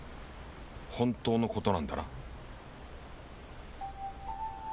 本当のことなんだな？